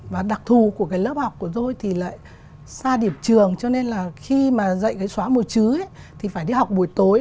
và đặc thù của cái lớp học của tôi thì lại xa điểm trường cho nên là khi mà dạy cái xóa mùa chứ thì phải đi học buổi tối